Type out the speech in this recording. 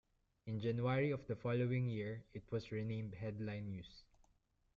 In January of the following year, it was renamed Headline News.